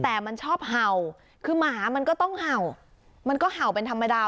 แต่มันชอบเห่าคือหมามันก็ต้องเห่ามันก็เห่าเป็นธรรมดา